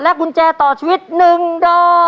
และกุญแจต่อชีวิต๑บาท